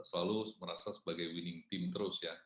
selalu merasa sebagai winning team terus ya